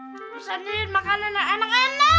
putri itu pesanin makanan yang enak enak